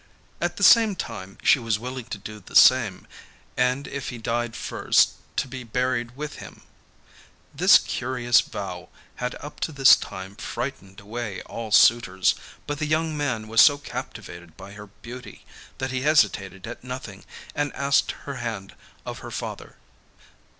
At the same time she was willing to do the same, and if he died first to be buried with him. This curious vow had up to this time frightened away all suitors, but the young man was so captivated by her beauty, that he hesitated at nothing and asked her hand of her father.